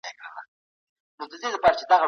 موږ تل په خپلو چارو کي اخلاص ښودلی دی.